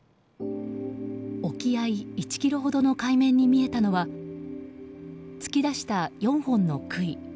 沖合１ｋｍほどの海面に見えたのは突き出した４本の杭。